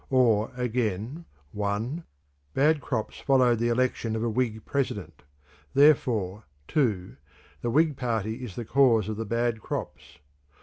Or, again: (1) Bad crops followed the election of a Whig president; therefore (2) the Whig party is the cause of the bad crops.